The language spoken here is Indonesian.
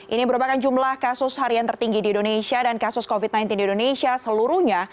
ini merupakan jumlah kasus harian tertinggi di indonesia dan kasus covid sembilan belas di indonesia seluruhnya